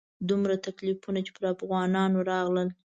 دومره تکلیفونه چې پر افغانانو راغلل.